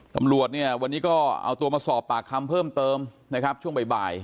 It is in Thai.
ตำรวจเนี่ยวันนี้ก็เอาตัวมาสอบปากคำเพิ่มเติมนะครับช่วงบ่าย